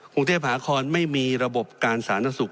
กรุงเทพหาคอนไม่มีระบบการสาธารณสุข